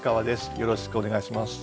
よろしくお願いします。